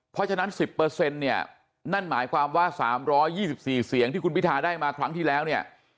เพราะฉะนั้น๑๐เนี่ยนั่นหมายความว่า๓๒๔เสียงที่คุณพิทาได้มาครั้งที่แล้วเนี่ย